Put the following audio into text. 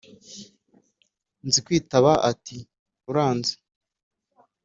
Nzikwiba ati: "Uranze"